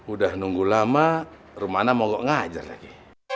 udah nunggu lama rum mana mau ngajar lagi